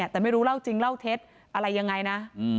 แต่ไม่รู้เล่าจริงเล่าเท็จอะไรยังไงนะ